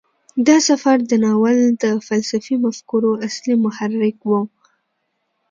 دا سفر د ناول د فلسفي مفکورو اصلي محرک و.